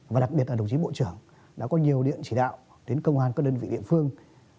và đặc biệt là đồng chí bộ trưởng đã có nhiều điện chỉ đạo đến công an các đơn vị địa phương